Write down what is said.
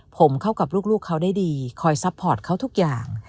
ผมเข้ากับลูกเขาได้ดีคอยซัพพอร์ตเขาทุกอย่าง